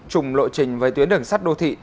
chùng lộ trình với tuyến đường sắt đô thị